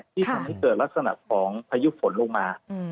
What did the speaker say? ที่ทำให้เกิดลักษณะของพายุฝนลงมา